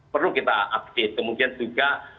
perlu kita update kemudian juga